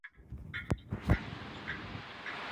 پدې مسئله کي د فقهاوو تر منځ اختلاف دی.